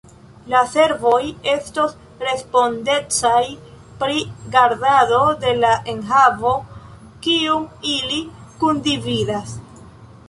La servoj estos respondecaj pri gardado de la enhavo kiun ili kundividas.